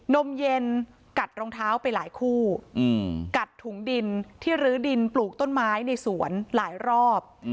นมเย็นกัดรองเท้าไปหลายคู่กัดถุงดินที่รื้อดินปลูกต้นไม้ในสวนหลายรอบ